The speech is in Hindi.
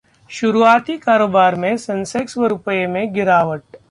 शुरुआती कारोबार में सेंसेक्स व रुपये में गिरावट